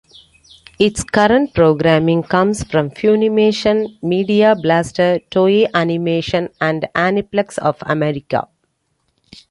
Its current programming comes from Funimation, Media Blasters, Toei Animation and Aniplex of America.